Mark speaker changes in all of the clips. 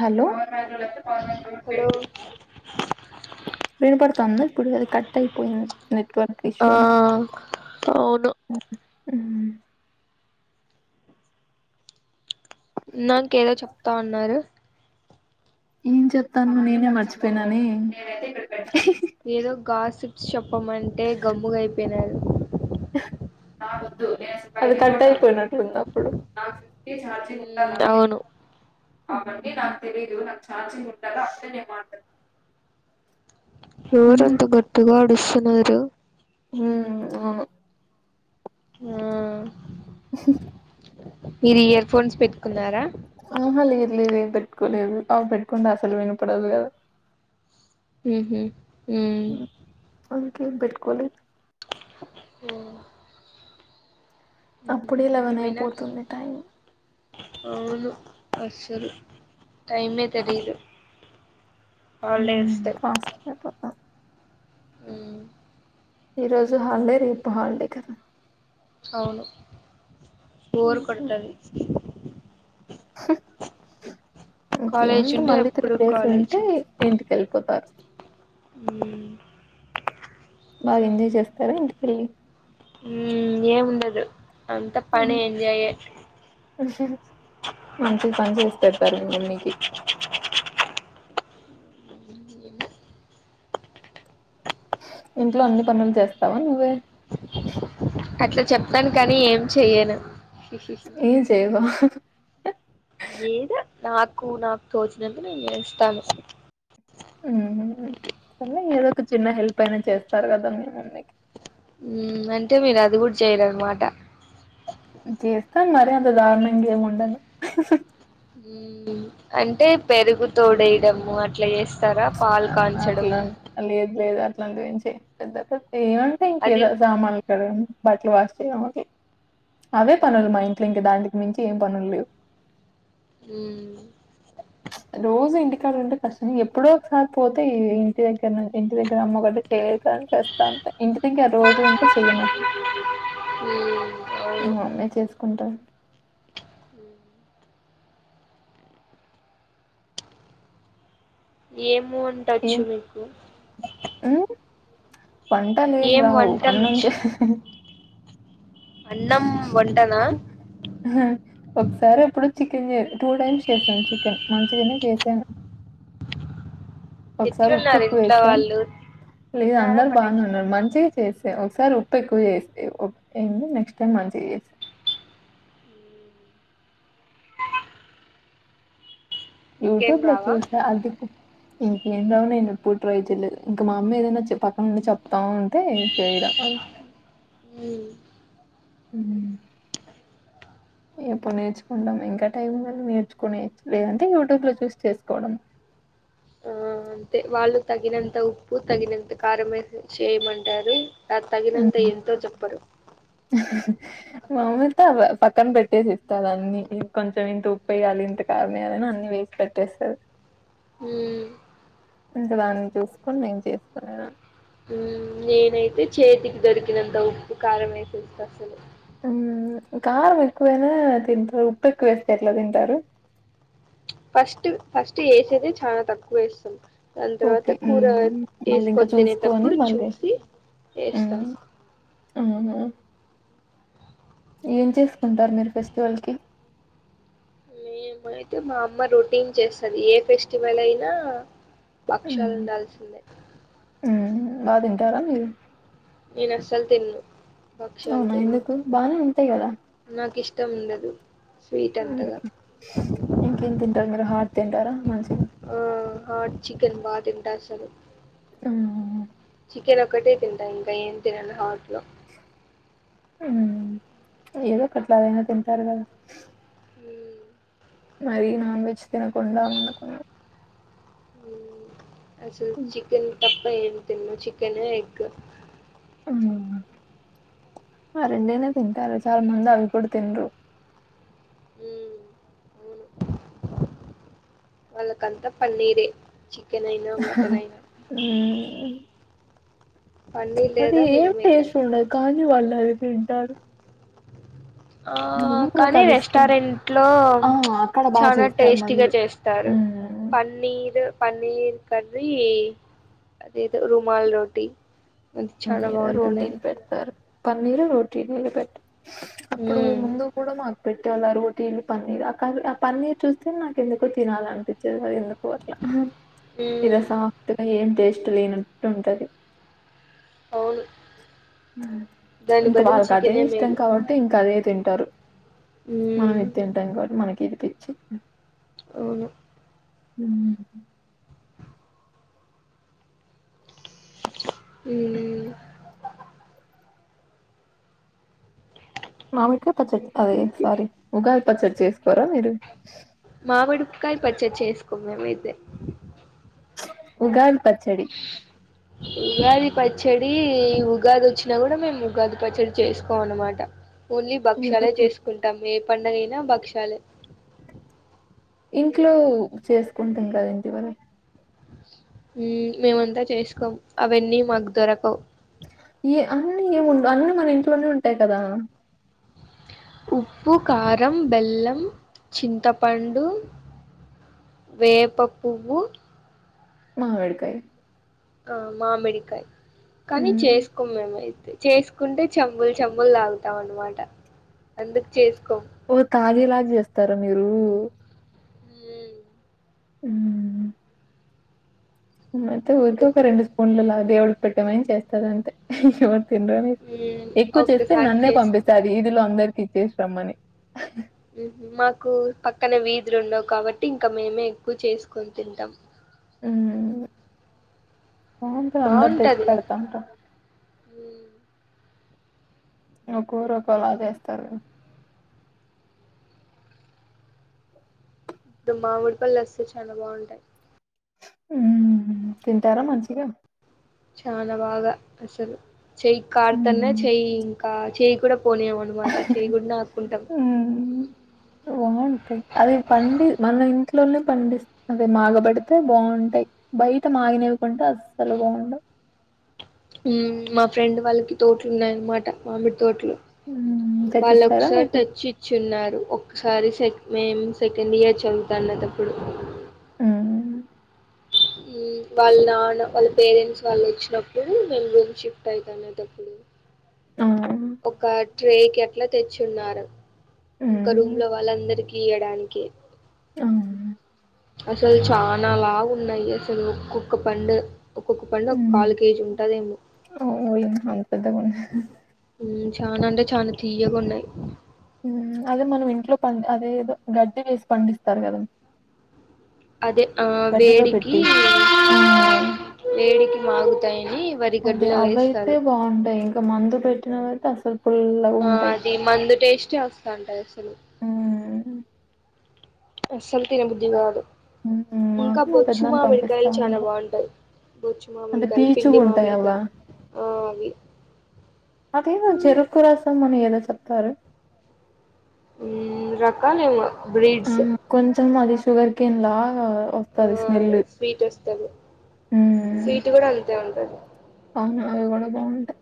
Speaker 1: Hello
Speaker 2: hello
Speaker 1: విను పడుతనదా ఇప్పుడు అది కట్ అయిపోయింది నెట్వర్క్ ఇషూ
Speaker 2: ఆ
Speaker 1: అనుకున్
Speaker 2: అవును నాకేదో చెప్తా అన్నారు
Speaker 1: ఏం చెప్తాను నేనే మర్చిపోయిననే
Speaker 2: ఏదో గాసిప్స్ చెప్పమంటే గమ్ముగా అయిపోయినారు
Speaker 1: రావద్దు అది కట్ అయిపోయినట్టుంది అప్పుడు నా ఫిఫ్టీ చార్జింగ్
Speaker 2: ఉ అవును
Speaker 1: ఏ నాకు తెలియదు నాకు చార్జింగ్ ఉంటాల అప్పుడే నేను మాట్లాడుతా
Speaker 2: ఇవరందు గట్గా అడుస్తంది మరు
Speaker 1: హ అవును
Speaker 2: ఆ మీరు ఇయర్ ఫోన్స్ పెట్టుకున్నారా
Speaker 1: ఆహా లేదు లేదు ఎమ్ పెట్టుకోలేదు అవి పెట్టుకుంటే అసలు వినపడదు కదా
Speaker 2: ఉహు ఉ
Speaker 1: అగు ఎమ్ బట్కలే అప్పుడే లెవెన్
Speaker 2: ఏమైనా
Speaker 1: అయిపోతుంది టైం
Speaker 2: అవును అసలు టైమే తెలిదు
Speaker 1: హ్మ్ ఫాస్ట్ పాప అ
Speaker 2: ఆ
Speaker 1: ఈ రోజు హాలిడే రేపు హాలిడే కదా
Speaker 2: అవును బోర్ కొడతది కాలేజ్
Speaker 1: ఇంకేముంది
Speaker 2: ఉంటే
Speaker 1: మళ్ళీ త్రీ
Speaker 2: ఎప్పుడు
Speaker 1: డేస్
Speaker 2: కాలేజ్
Speaker 1: ఉంటే ఇంటికి వెళ్ళిపోతారు.
Speaker 2: ఉ
Speaker 1: బాగా ఎంజాయ్ చేస్తారా ఇంటికెళ్ళి
Speaker 2: ఉమ్ ఏముండదు. అంత పని ఎంజాయే
Speaker 1: మంచిగ పని చేసి పెడతారు మీ మమ్మీకి ఇంట్లో అన్ని పనులు చేస్తావా నువ్వే
Speaker 2: అట్లా చెప్తాను కానీ ఏం చెయ్యను.
Speaker 1: ఏం చేయవా అ
Speaker 2: ఏదో నాకు నాకు తోచినంత నేన్ ఏస్తాను
Speaker 1: ఉహూ కొన్ని ఏదో ఒక చిన్న హెల్ప్ అయినా చేస్తారు కదా అందుకే
Speaker 2: హ్మ్ అంటే మీరు అది కూడా చేయ్యరన్ మాట
Speaker 1: చేస్తాను మరి అంత దారుణంగేమి ఉండను. హ హ
Speaker 2: హ్మ్ అంటే పెరుగు తోడ వేయడము అట్లా చేస్త స్తర పాలు కాల్చడము
Speaker 1: అట్లాంటివేం చెయ్యం ఎందుకు ఏ అంటే ఇంక
Speaker 2: అది
Speaker 1: ఏదో సామాన్లు ఉతకడం బట్టలు వాష్ చేయ అవే పనులు మా ఇంట్లో ఇంక దానికి మించి ఏం పనులు లేవు
Speaker 2: ఉమ్
Speaker 1: రోజు ఇంటికాడె ఉంటే కష్టం ఎప్పుడో ఒకసారి పోతే ఈ ఇంటి దగ్గర ఇంటి దగ్గర అమ్మకంటే చే ఇంటి దగ్గర రోజు ఉంటే చెయను అసలు
Speaker 2: మ్మ్ అవును
Speaker 1: ఇగ అమ్మే చేసుకుంటారు.
Speaker 2: ఏం
Speaker 1: ఏ
Speaker 2: వంటొచ్చు మీకు
Speaker 1: వంటలేం
Speaker 2: ఏం
Speaker 1: రావు
Speaker 2: వంటలు
Speaker 1: అన్నం తొ
Speaker 2: వచ్చు అన్నం వంటనా
Speaker 1: అ ఒకసారి ఎప్పుడొ చికెన్ చె టూ టైమ్స్ చేసాను చికెన్ మంచిగనే చేసాను. ఒకసారి ఉప్పు
Speaker 2: ఎట్లున్నారు ఇంట్లో
Speaker 1: ఎక్కువేసా
Speaker 2: వాళ్ళు
Speaker 1: లేదు
Speaker 2: తిన్నారా
Speaker 1: అందరు బాగానే ఉన్నారు
Speaker 2: పడేసినారా
Speaker 1: మంచిగా చేసా ఒకసారి ఉప్పు ఎక్కువ జేసా ఉ ఏంది నెక్స్ట్ టైమ్ మంచిగ చేసా
Speaker 2: ఇంకేం
Speaker 1: యూట్యూబ్ లో
Speaker 2: రావా
Speaker 1: చూసా అందుకు ఇంకేం రావు నేను ఎప్పుడు ట్రై చెయలేదు ఇంక మా అమ్మ ఏదైనా చె పక్క నుండి చెప్తాఉంటే చేయడం అంతే
Speaker 2: ఉ
Speaker 1: హ్మ్ ఎప్పుడు నేర్చుకుంటాం ఇంకా టైం కా నేర్చుకునే లేదంటే యూట్యూబ్ లో చూస్ చేసుకోవడమే.
Speaker 2: ఆ అంతే వాళ్ళు తగినంత ఉప్పు తగినంత కారం ఎస్ చేయమంటారు అ తగినంత
Speaker 1: ఉమ్.
Speaker 2: ఎంతో చెప్పరు
Speaker 1: మా అమ్మయితే పక్కన పెట్టేసి ఇస్తారు అన్ని కొంచెం ఇంత ఉప్పు వేయ్యాలి ఇంత కారంమ వయాలిని అన్ని వేసి పెట్టేస్తారు
Speaker 2: హ్మ్
Speaker 1: ఇంక దాన్ని చూసుకొని నేను చేసుకులే
Speaker 2: మ్మ్ నేనైతే చేతికి దొరికినంత ఉప్పు కారం వేసేస్త అసలు
Speaker 1: మ్మ్ కారం ఎక్కువైనా తింటారు ఉప్పు ఎక్కువ వేస్తే ఎట్లా తింటారు
Speaker 2: ఫస్ట్ ఫస్ట్ వేసేది చాలా తక్కువ వేస్తాం దాని
Speaker 1: ఓకే
Speaker 2: తర్వాత కూర
Speaker 1: మ్మ్ మళ్ళీ ఇంకా
Speaker 2: వేసుకొని
Speaker 1: చూసుకొని
Speaker 2: తినేటప్పుడు
Speaker 1: మళ్ళీ
Speaker 2: చూసి వేస్తాం
Speaker 1: ఊహు ఏం చేసుకుంటారు మీరు ఫెస్టివల్ కి
Speaker 2: మేమ్ అయితే మా అమ్మ రొటీన్ చేస్తుది ఏ ఫెస్టివల్ అయినా పక్షాలు
Speaker 1: హ్మ్.
Speaker 2: ఉండాల్సిందే
Speaker 1: హ్మ్. బా తింటారా మీరు
Speaker 2: నేను అస్సలు తిన్ను భక్షాలు
Speaker 1: అవునా
Speaker 2: తిన్ను
Speaker 1: ఎందుకు బానే ఉంతాయి కద
Speaker 2: నాకు ఇష్టం ఉండదు స్వీట్
Speaker 1: మ్మ్
Speaker 2: అంతగా
Speaker 1: ఇంకేం తింటారు మీరు హార్ట్ తింటారా మంచి
Speaker 2: ట అస్సలు
Speaker 1: ఆ
Speaker 2: ఒకటే తింటా ఇంకా ఏన్ తినను హోట్లు
Speaker 1: మ్మ్ ఏదో ఒకట్లాదైనా తింటారు కదా
Speaker 2: మ్మ్.
Speaker 1: మరి నాన్ వెజ్ తినకుండా ఉండకున్నా
Speaker 2: మ్మ్ అసలు
Speaker 1: హ్మ్.
Speaker 2: చికెన్ టప్పు [unintelligible] ఏం తిన్ను చికెను ఎగ్గు
Speaker 1: మ్మ్ ఆ రెండైన తింటారు చాలా మంది అవి కూడా తిండ్రు
Speaker 2: మ్మ్ అవును వాళ్ళక అంతా పన్నీరే చికెన్ అయినా మటన్ అయినా
Speaker 1: మ్మ్
Speaker 2: పన్నీర్
Speaker 1: అది
Speaker 2: లేదా
Speaker 1: ఏం
Speaker 2: మిల్ మేకర్
Speaker 1: టేస్ట్ ఉండదు కానీ వాళ్ళ అది తింటారు
Speaker 2: ఆ
Speaker 1: ఏమో
Speaker 2: కానీ
Speaker 1: నాకది ఇష్టం.
Speaker 2: రెస్టారెంట్లో
Speaker 1: ఆ! అక్కడ బా
Speaker 2: చాలా
Speaker 1: చేస్తారు
Speaker 2: టేస్టీగా
Speaker 1: మళ్ళీ.
Speaker 2: చేస్తారు
Speaker 1: హ్మ్.
Speaker 2: పన్నీర్ పన్నీర్ కర్రీ అదేదో రుమల్ రొటీ
Speaker 1: ద రోటీ లు పెడతారు ప మీరు రోట్టిల్ మీద పెట్ అప్పుడు
Speaker 2: ఉమ్
Speaker 1: ముందు కూడా మాకు పెట్టేవాళ్ళ రోటీ ఇల్లు పన్నీర్ ఆ ఆ పన్నీర్ చూస్తే నాకు ఎందుకో తినాలినిపించేది అ ఎందుకు పోవట్ల
Speaker 2: ఉమ్
Speaker 1: ఈరోజు [unintelligible] ఏం చెస్ ఇక లేనట్టు ఉంటది
Speaker 2: అవును దాని
Speaker 1: ఇంకా
Speaker 2: బదులు
Speaker 1: వాళ్ళకి అదే
Speaker 2: చికెనే
Speaker 1: ఇష్టం
Speaker 2: మేలు
Speaker 1: కాబట్టి ఇంకా అదే తింటారు మనం
Speaker 2: ఉమ్
Speaker 1: ఇది తింటాం కాబట్టి మనకి రిపించు
Speaker 2: అవును
Speaker 1: ఉమ్
Speaker 2: ఉమ్
Speaker 1: మామిడ్ కాయి పచ్చడి అదే
Speaker 2: ఓకే.
Speaker 1: సారీ ఉగాది పచ్చడి చేసుకోరా మీరు
Speaker 2: మామిడి కాయ పచ్చడి చేసుకొం మేమైతే
Speaker 1: ఉగాది పచ్చడి
Speaker 2: ఉగాది పచ్చడి ఈ ఉగాది వచ్చినా కూడా మేము ఉగాది పచ్చడి చేసుకొం అన్నమాట ఓన్లీ భక్ష్యాలే చేసుకుంటాం ఏ పడుగైన భక్షాలే
Speaker 1: ఇంట్లో చేసుకుంటాం కద ఇంటివరకు
Speaker 2: ఉమ్ మేమంతా చేసుకోం అవన్నీ మాకు దొరకవు
Speaker 1: ఏ అన్నీ ఏము ఉండవ్ అన్నీ మన ఇంట్లోనే ఉంటాయి కదా
Speaker 2: ఉప్పు కారం బెల్లం చింతపండు వేప పువ్వు
Speaker 1: మామిడికాయ
Speaker 2: ఆ మామిడికాయ్ కానీ
Speaker 1: హ్మ్
Speaker 2: చేసుకోం మేము అయ్ చేసుకుంటే చెంబులు చెంబులు తాగుతాం అనమాట అందుకు చేసుకోమ్
Speaker 1: ఓ తాగేలాగ చేస్తారా మీరు
Speaker 2: మ్మ్.
Speaker 1: ఉమ్ మేమైతే ఉర్కే
Speaker 2: ఎందుకు
Speaker 1: రెండు స్పూన్లు తాగుతా దేవుళు పెట్టమని చేస్తరంతే తినరు అని
Speaker 2: మ్మ్
Speaker 1: ఎక్కువ చేస్తే
Speaker 2: ఒక్కసారి
Speaker 1: నన్నే
Speaker 2: చేసినాం
Speaker 1: పంపిస్తాది అది వీదిలో అందరికి ఇచ్చేసిరమ్మని
Speaker 2: ఉహు మాకు పక్కన వీధులు ఉండవు కాబట్టి ఇంకా మేమే ఎక్కువ చేసుకొని తింటాం
Speaker 1: ఉమ్ బాగుంటది అందరు తెచ్చి
Speaker 2: బాగుంటది
Speaker 1: పెడతంటే
Speaker 2: మ్మ్.
Speaker 1: ఒక ఊరు ఒకోలా చేస్తారు
Speaker 2: ఇప్పుడు మామిడి పళ్ళు వస్తే చాలా బాగుంటాయి
Speaker 1: ఉమ్ తింటారా మంచి గా
Speaker 2: చాలా బాగా అస్సలు చెయ్యికి కార్తన్న
Speaker 1: హ్మ్
Speaker 2: చెయి ఇంకా చెయి పోనియం అన్నమాట చేయకుండా ఆపుకుంటాం
Speaker 1: అవును [unintelligible] అదే పండు మన ఇంటి లోనే పండిస్తుది మాగబెడితే బాగుంటాయి బయట మాగినవికుంటే అస్సలు బాగుండవు
Speaker 2: హ్మ్ మా ఫ్రెండ్ వాళ్ళకి తోట్లు ఉన్నాయ అన్నమాట మామిట్ తోట్లు
Speaker 1: హ్మ్.
Speaker 2: వాళ్ళు
Speaker 1: తెచ్చిస్తారా
Speaker 2: ఒకసారి
Speaker 1: మీకు?
Speaker 2: తెచ్చి ఇచ్చింరు నాకు ఒక్కసారి సె మేము సెకండ్ ఇయర్ చదువుతా అన్నటప్పుడు
Speaker 1: ఆ
Speaker 2: వాళ్ళ నాన్న వాళ్ళ పేరెంట్స్ వాళ్ళు వచ్చినప్పుడు మేను రూమ్ షిఫ్ట్ అయితనేటప్పుడు
Speaker 1: ఆ!
Speaker 2: ఒక ట్రేకి ఎట్లా తెచ్చున్నారు ఇంకా రూమ్
Speaker 1: హ్మ్.
Speaker 2: లో వాళ్ళ అందరికి ఇయడానికి
Speaker 1: ఆ
Speaker 2: అసలు చాలాలా లావు ఉన్నాయి అసలు ఒక్కొక్క పండు ఒక్కొక్క పండు ఒక
Speaker 1: హ్మ్
Speaker 2: కాలు కేజీ ఉంటదేమో
Speaker 1: అంత పెద్ద కొన్నా
Speaker 2: చనా అంటే చనా తీయగా ఉన్నాయి
Speaker 1: అదే మనం ఇంట్లో పం అదేదో గడ్డి వేసి పండిస్తారు కద
Speaker 2: అదే ఆ
Speaker 1: ఆ!
Speaker 2: వేడికిేడికి మారుతాయి
Speaker 1: అదే అవయితే బాగుంటాయి ఇంకా మందు పెట్టినవి అయితే అస
Speaker 2: ఆ అది మందు టేస్ చేస్తా ఉంటయి అసలు
Speaker 1: హ్మ్.
Speaker 2: అసల్ తిన బుద్ధిగాదు
Speaker 1: మాకు మా పెద్దని
Speaker 2: చాలా
Speaker 1: పంపిస్తామండ
Speaker 2: బాగుంటాయి బొచ్చు
Speaker 1: అంటే
Speaker 2: మామిడికాయలు
Speaker 1: బీచు
Speaker 2: పిండి
Speaker 1: ఉంటాయ అవా
Speaker 2: మామిడికాయలు ఆ అవి
Speaker 1: అదేమో చెరుకుకు రాసాం మనం ఏదో సత్త
Speaker 2: ఉ రకాలవ బ్రిడ్స్
Speaker 1: మాది సషుగర్ కేన్ లా
Speaker 2: ఆ స్వీట్ వస్తుంది
Speaker 1: హ్మ్
Speaker 2: స్వీట్ కూడా అంతే ఉంటంది
Speaker 1: అవి కూడా బాగుంటాయి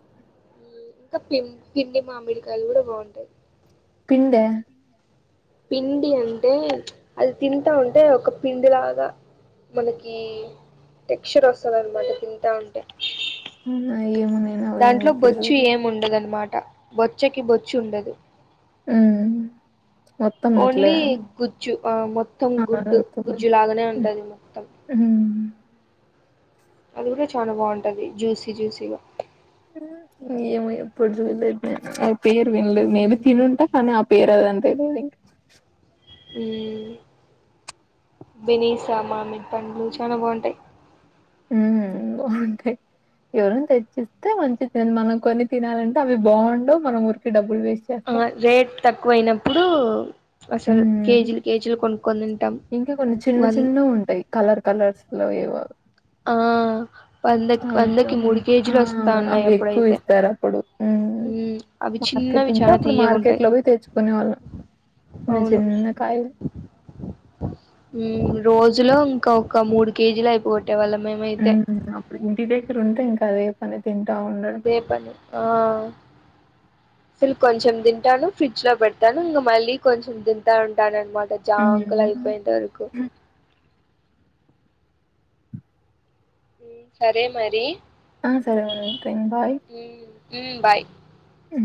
Speaker 2: ఇంకాం పిండి మామిడికాయలు కూడా బాగుంటాయి
Speaker 1: పిండే
Speaker 2: పిండి అంటే అది తింటా ఉంటే ఒక పిండి లాగా మనకి టెక్చర్ వస్తుంది అనమాట తింటా ఉంటే
Speaker 1: ఏమన్నానావ ఏమి
Speaker 2: దాంట్లో
Speaker 1: ఇప్పుడు
Speaker 2: బొచ్చు ఏమి ఉండదనమాట బొచ్చకి బొచ్చి ఉండదు
Speaker 1: ఆ
Speaker 2: ఓన్లీ గుజ్జు ఆ మొత్తం
Speaker 1: ఆ
Speaker 2: గుడ్డు
Speaker 1: రవ్వతో
Speaker 2: గుజ్జు లాగానే
Speaker 1: హ్మ్
Speaker 2: ఉంటది మొత్తం
Speaker 1: హ్మ్.
Speaker 2: అది కూడా చాలా బాగుంటది జ్యూసీ జ్యూసీగా
Speaker 1: ఏమ ఎప్పుడు జల పేరు వినలేదు మేబీ
Speaker 2: మ్
Speaker 1: తినుంటా కానీ ఆ పేరు అదంతే [unintelligible]
Speaker 2: బినీసా మామిడి పండ్లు చాలా బాగుంటాయి
Speaker 1: బాగుంటాయి ఎవరిని తెచ్చిస్తే మంచి మనం కొని తినాలంటే అవి బాగుండువు మన ఊరికి డబ్బు
Speaker 2: ఆ రేట్ ఎక్కువయినప్పుడు
Speaker 1: ఉ
Speaker 2: తింటాం
Speaker 1: ఇంకా కొన్ని చిన్న
Speaker 2: వన్
Speaker 1: చిన్న ఉంటాయి కలర్ కలర్స్ లో ఏవ
Speaker 2: ఆ వందకి
Speaker 1: అవి ఎక్వ
Speaker 2: వందకి మూడు
Speaker 1: బాగుయి
Speaker 2: కేజీలు
Speaker 1: అవి ఎక్కువ ఇస్తారు అప్పుడు
Speaker 2: హుం అవి చిన్నవి చాలా
Speaker 1: అప్పుడు
Speaker 2: తీయకుంటాయి
Speaker 1: మార్కెట్‌లో పోయి తెచ్చుకునేవాళ్ళం. చిన్న
Speaker 2: అవును
Speaker 1: చిన్న కాయలు.
Speaker 2: రోజులో ఒ ఒకక్క మూడు కేజీలు అయిపోవట్డి పెట్టే వాళ్ళ మేమైతే
Speaker 1: కరే ప
Speaker 2: అదే పని ఆ అసలు కొంచెం తింటాను ఫ్రిడ్జ్ లో పెడతాను ఇంకా మళ్ళీ కొంచెం తింటా ఉంటాను అనమాట
Speaker 1: హ్మ్.
Speaker 2: జాంగ్ల్యిపోయింతాకు సరే మరి
Speaker 1: ఆ సరే ఉంంటే బాయ్
Speaker 2: హ్మ్మ్ బాయ్
Speaker 1: అ